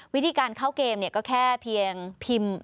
วิธีการเข้าเกมก็แค่เพียงพิมพ์